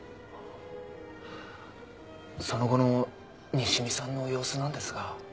その後の西見さんの様子なんですが。